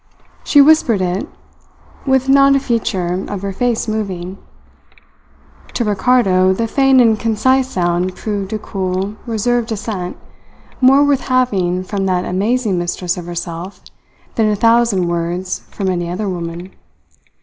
She whispered it with not a feature of her face moving. To Ricardo the faint and concise sound proved a cool, reserved assent, more worth having from that amazing mistress of herself than a thousand words from any other woman.